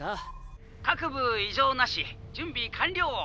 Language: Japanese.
各部異常なし準備完了！